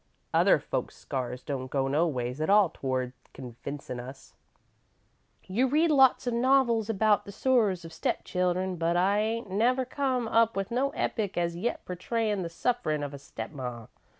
Other folks' scars don't go no ways at all toward convincin' us. "You read lots of novels about the sorrers of step children, but I ain't never come up with no epic as yet portrayin' the sufferin's of a step ma.